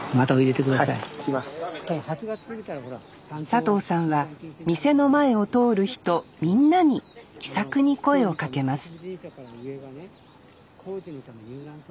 佐藤さんは店の前を通る人みんなに気さくに声をかけます